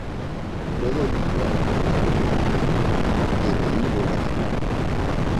Fue debido a la recesión económica, que redujo la demanda.